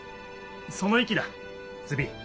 その意気だズビ。